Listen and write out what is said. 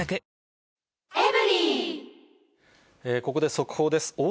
ここで速報です。